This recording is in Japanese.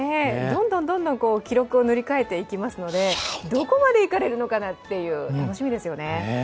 どんどん記録を塗り替えていきますのでどこまでいかれるのかなっていう、楽しみですよね。